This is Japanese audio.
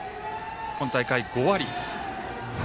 今大会５割。